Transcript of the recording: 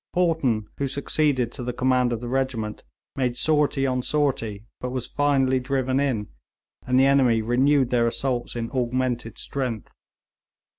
Haughton, who succeeded to the command of the regiment, made sortie on sortie, but was finally driven in, and the enemy renewed their assaults in augmented strength.